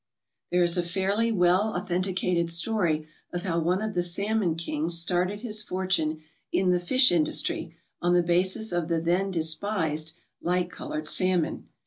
There is a fairly well authenticated story of how one of the salmon kings started his fortune in the fish industry on the basis of the then despised light coloured salmon.